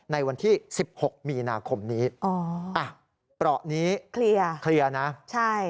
ในวันที่๑๖มีนาคมนี้อ๋อปเตอร์นี้เคลียร์นะใช่